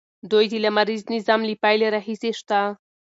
دوی د لمریز نظام له پیل راهیسې شته.